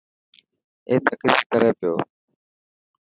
اي تقرير ڪري پيو.